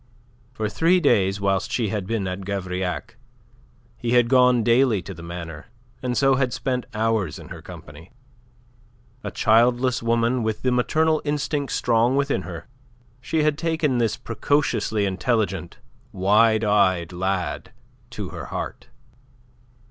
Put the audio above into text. For three days whilst she had been at Gavrillac, he had gone daily to the manor, and so had spent hours in her company. A childless woman with the maternal instinct strong within her, she had taken this precociously intelligent, wide eyed lad to her heart.